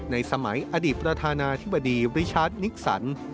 ในสมัยอดีตประธานาธิบดีริชาร์จนิกสัน